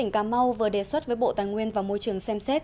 cà mau vừa đề xuất với bộ tài nguyên và môi trường xem xét